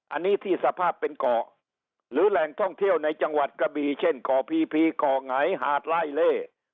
อันนี้ที่สภาพเป็นเกาะหรือแหล่งท่องเที่ยวในจังหวัดกระบีเช่นเกาะพีพีก่อไงหาดไล่เล่